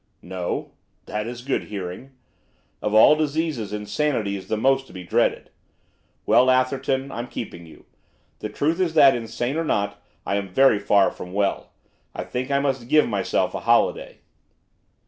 'No? That is good hearing. Of all diseases insanity is the most to be dreaded. Well, Atherton, I'm keeping you. The truth is that, insane or not, I am very far from well. I think I must give myself a holiday.